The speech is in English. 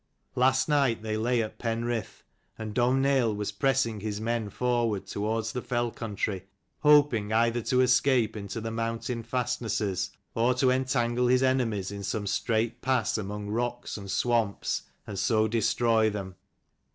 Last night they lay at Penrith, and Domhnaill was pressing his men forward towards the fell country, hoping either to escape into the mountain fastnesses, or to entangle his enemies in some strait pass among rocks and swamps, and so destroy them.